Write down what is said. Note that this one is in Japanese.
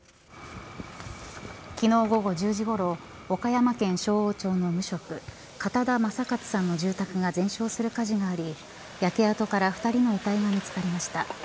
昨日午後１０時ごろ岡山県勝央町の無職片田正勝さんの住宅が全焼する火事があり焼け跡から２人の遺体が見つかりました。